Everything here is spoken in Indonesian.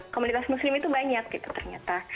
komunitas muslim itu banyak gitu ternyata